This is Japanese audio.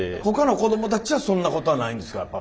他の子どもたちはそんなことはないんですか？